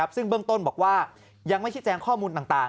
ซึ่งเบื้องต้นบอกว่ายังไม่ชี้แจงข้อมูลต่าง